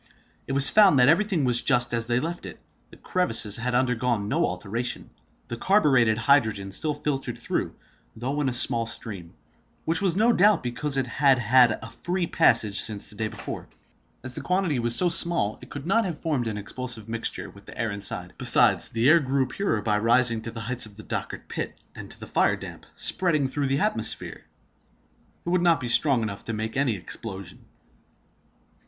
It was found that everything was just as they left it. The crevices had undergone no alteration; the carburetted hydrogen still filtered through, though in a small stream, which was no doubt because it had had a free passage since the day before. As the quantity was so small, it could not have formed an explosive mixture with the air inside. James Starr and his companions could therefore proceed in security. Besides, the air grew purer by rising to the heights of the Dochart pit; and the fire damp, spreading through the atmosphere, would not be strong enough to make any explosion.